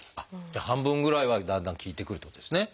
じゃあ半分ぐらいはだんだん効いてくるってことですね。